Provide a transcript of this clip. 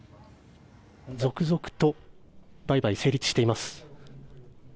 続々と売買が成立しています。